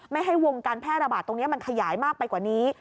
ไม่ให้วงการแพร่ระบาดตรงนี้มันขยายมากไปกว่านี้